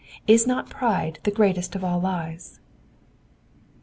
Is not pride the greatest of all lies